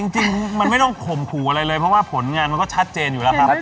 จริงมันไม่ต้องข่มขู่อะไรเลยเพราะว่าผลงานมันก็ชัดเจนอยู่แล้วครับ